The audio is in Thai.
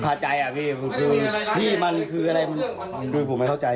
คาใจอ่ะพี่คือพี่มันคืออะไรคือผมไม่เข้าใจ